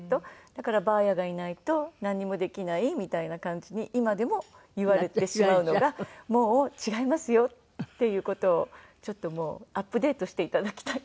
だからばあやがいないとなんにもできないみたいな感じに今でも言われてしまうのがもう違いますよっていう事をちょっともうアップデートしていただきたいなと。